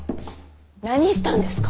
何したんですか？